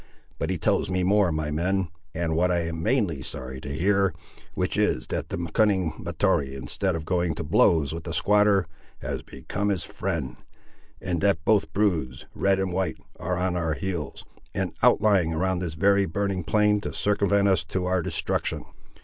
But he tells me more, my men, and what I am mainly sorry to hear, which is, that the cunning Mahtoree instead of going to blows with the squatter, has become his friend, and that both broods, red and white, are on our heels, and outlying around this very burning plain to circumvent us to our destruction."